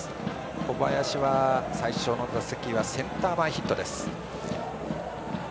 小林は最初の打席はセンター前ヒットです。